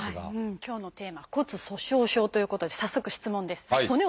今日のテーマ「骨粗しょう症」ということで早速質問です。